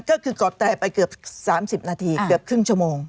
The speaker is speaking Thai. ก็คือกอดแตรไปเกือบ๓๐นาทีเกือบครึ่งชั่วโมง